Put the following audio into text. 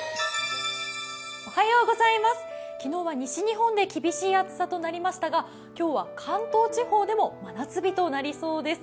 昨日は西日本で厳しい暑さとなりましたが、今日は関東地方でも真夏日となりそうです。